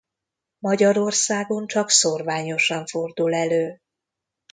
Magyarországon csak szórványosan fordul elő.